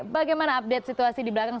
bagaimana update situasi di belakang